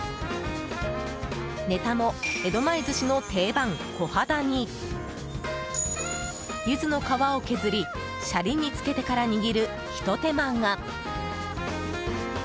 ネタも江戸前寿司の定番コハダにユズの皮を削りシャリに付けてから握るひと手間が。